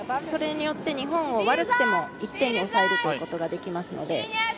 それによって日本を悪くても１点に抑えるということができますので。